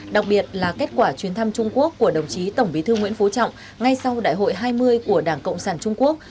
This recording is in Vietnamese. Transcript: đặc biệt là kết quả chuyến thăm trung quốc của đồng chí tổng bí thư nguyễn phú trọng ngay sau đại hội hai mươi của đảng cộng sản trung quốc